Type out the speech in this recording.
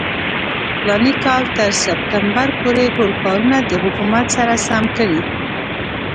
امیر تر فلاني کال تر سپټمبر پورې ټول کارونه د حکومت سره سم کړي.